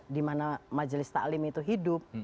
di mana majelis taklim itu hidup